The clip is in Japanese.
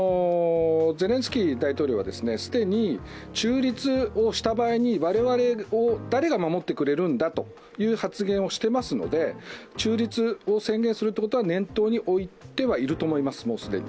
ゼレンスキー大統領は既に中立をした場合に我々を誰が守ってくれるんだという発言をしていますので、中立を宣言するということは既に念頭に置いてはいると思います。